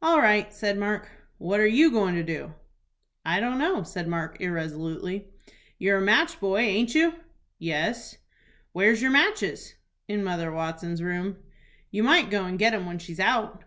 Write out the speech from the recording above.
"All right," said Mark. "What are you goin' to do?" "I don't know," said Mark, irresolutely. "You're a match boy, aint you?" "Yes." "Where's your matches?" "In Mother Watson's room." "You might go and get 'em when she's out."